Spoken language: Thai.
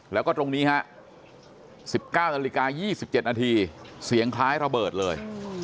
แล้วก็ตรงนี้ฮะ๑๙นาฬิกา๒๗นาทีเสียงคล้ายระเบิดเลย